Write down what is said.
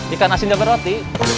ikan asin jambal roti